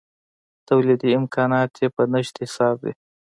تولیدي امکانات یې په نشت حساب دي.